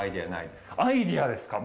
アイデアですか。